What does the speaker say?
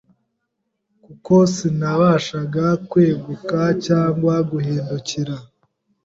kuko sinabashaga kweguka cyangwa guhindukira